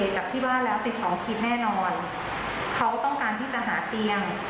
กลับที่บ้านแล้วเป็นสองคลิปแน่นอนเขาต้องการที่จะหาเตียง